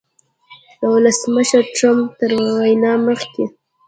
د ولسمشر ټرمپ تر وینا مخکې